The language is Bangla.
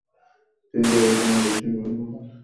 তিনি দাবি করেন, বেশির ভাগ লঞ্চ চালানো হচ্ছে যেনতেন লোক দিয়ে।